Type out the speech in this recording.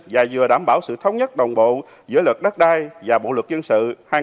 và vừa đảm bảo sự thống nhất đồng bộ giữa luật đất đai và bộ luật dân sự hai nghìn một mươi năm